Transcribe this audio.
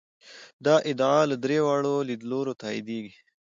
دا ادعا له درې واړو لیدلورو تاییدېږي.